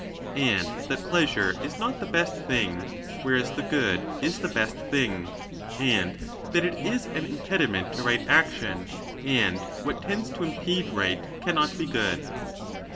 And that pleasure is not the best thing, whereas the good is the best thing. And that it is an impediment to right action, and what tends to impede right cannot be good.